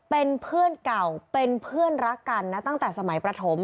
เป็นเพื่อนเก่าเป็นเพื่อนรักกันนะตั้งแต่สมัยประถม